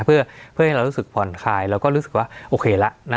เพื่อให้เรารู้สึกผ่อนคลายเราก็รู้สึกว่าโอเคละ